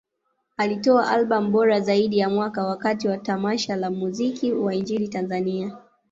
Alitoa Albam bora zaidi ya Mwaka wakati wa tamasha la Muziki wa Injili Tanzania